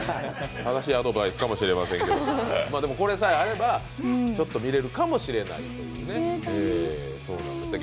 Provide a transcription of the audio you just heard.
正しいアドバイスかもしれませんけれども、これさえあれば、ちょっと見れるかもしれないというね。